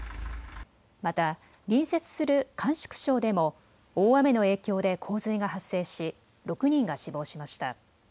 また、隣接する甘粛省でも大雨の影響で洪水が発生し６人が死亡しました。